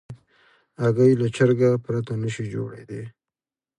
هګۍ له چرګه پرته نشي جوړېدای.